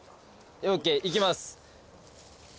ＯＫいきます。